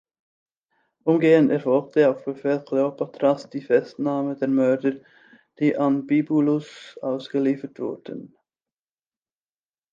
Umgehend erfolgte auf Befehl Kleopatras die Festnahme der Mörder, die an Bibulus ausgeliefert wurden.